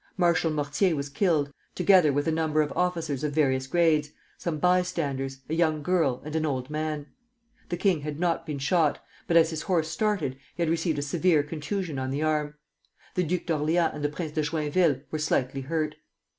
Marshal Mortier was killed, together with a number of officers of various grades, some bystanders, a young girl, and an old man. The king had not been shot, but as his horse started, he had received a severe contusion on the arm. The Duke of Orleans and the Prince de Joinville were slightly hurt.